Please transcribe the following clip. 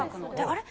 あれ？